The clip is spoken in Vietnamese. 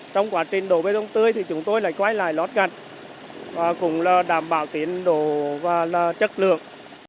trong quá trình đổ bê tông tươi thì chúng tôi lại quay lại lót gạt và cũng là đảm bảo tiến độ và chất lượng